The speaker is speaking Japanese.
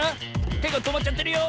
てがとまっちゃってるよ。